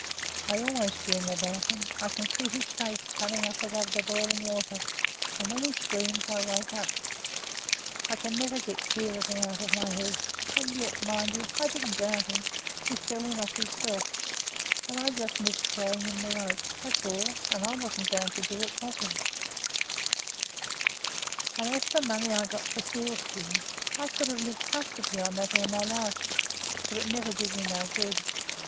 I always dream about him. I can see his face come up above the boiling water, and when he screams I wake up. I can never get clear of him out of my head; and yet, mind you, I didn't drown him; he fell in of his self, and I just missed throwing him th' rope, that's all; and I wasn't bound to do it, was I? "As for the money I got for the seal skins, I could have lived comfortably on it all my life, but it never did me no good.